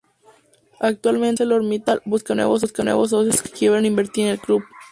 Actualmente, ArcelorMittal busca nuevos socios que quieran invertir en el club.